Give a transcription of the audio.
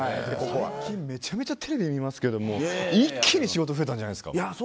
最近めちゃめちゃテレビで見ますけど一気に仕事増えたんじゃないんですか？